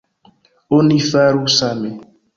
Oni faru same.